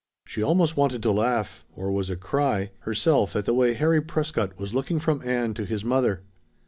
She almost wanted to laugh or was it cry? herself at the way Harry Prescott was looking from Ann to his mother.